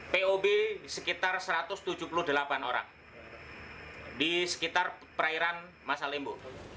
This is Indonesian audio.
pob sekitar satu ratus tujuh puluh delapan orang di sekitar perairan masalimbu